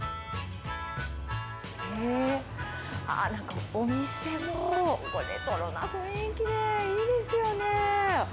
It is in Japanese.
へぇ、なんかお店もレトロな雰囲気で、いいですよね。